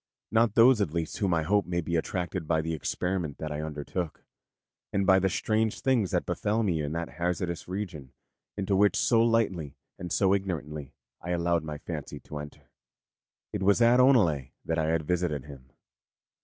Not those, at least, whom I hope may be attracted by the experiment that I undertook, and by the strange things that befell me in that hazardous region into which so lightly and so ignorantly I allowed my fancy to enter. It was at Oneleigh that I had visited him.